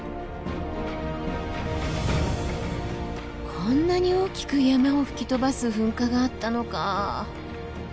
こんなに大きく山を吹き飛ばす噴火があったのか。